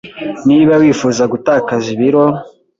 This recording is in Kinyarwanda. Niba wifuza gutakaza ibiro